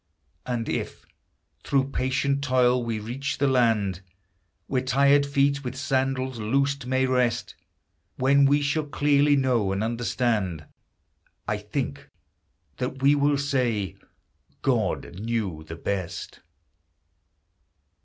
And if, through patient toil, we reach the land Where tired feet, with sandals loosed, may rest, When we shall clearly know and understand, I think that we will say, " God knew the best